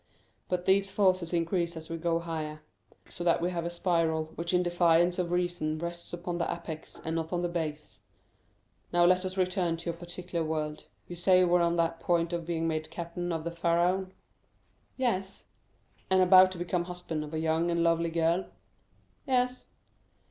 But these forces increase as we go higher, so that we have a spiral which in defiance of reason rests upon the apex and not on the base. Now let us return to your particular world. You say you were on the point of being made captain of the Pharaon?" "Yes." "And about to become the husband of a young and lovely girl?" "Yes."